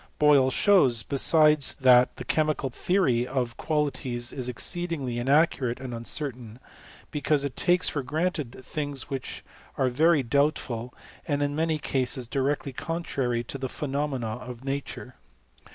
• Boyle shows, besides, that the chemical theory of qualities is exceedingly inaccurate and uncertain ; be cause it takes for granted things which are very doubt ful, and in many cases directly contrary to the pheno mena of nature.